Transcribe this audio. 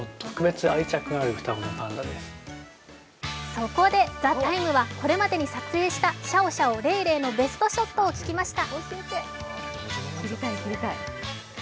そこで「ＴＨＥＴＩＭＥ，」は、これまでに撮影したシャオシャオとレイレイのベストショットを聞きました。